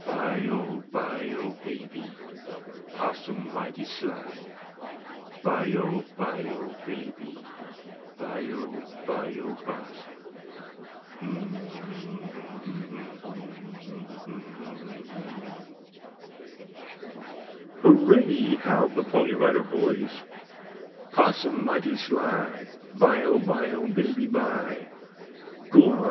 Bye o, bye o, baby, 'Possum mighty sly, Bye o, bye o, baby, Bye o, bye o bye. M hm m m m. M hm hm hm! "Hooray!" howled the Pony Rider Boys. "''Possum mighty sly, Bye o, bye o, baby bye.'" "Go on.